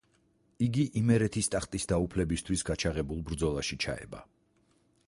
იგი იმერეთის ტახტის დაუფლებისათვის გაჩაღებულ ბრძოლაში ჩაება.